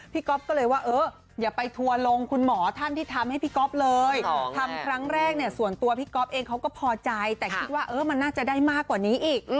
ก๊อฟก็เลยว่าเอออย่าไปทัวร์ลงคุณหมอท่านที่ทำให้พี่ก๊อฟเลยทำครั้งแรกเนี่ยส่วนตัวพี่ก๊อฟเองเขาก็พอใจแต่คิดว่ามันน่าจะได้มากกว่านี้อีก